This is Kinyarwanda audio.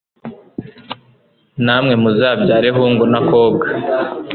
namwe muzabyare, hungu na kobwa